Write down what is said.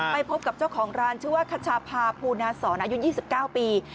ไปพบกับเจ้าของร้านชื่อว่าคัชภาพูนาศรอายุ๒๙ปี